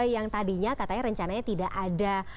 yang tadinya katanya rencananya tidak ada